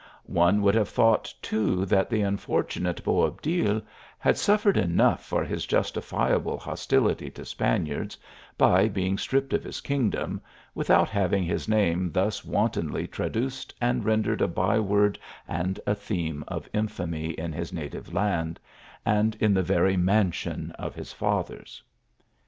One would have thought, too, that the unfortunate Boab dil had suffered enough for his justifiable hostility to Spaniards, by being stripped of his kingdom, without having his name thus wantonly traduced and rendered a bye word and a theme of infamy in his native land, and in the very mansion of his fathers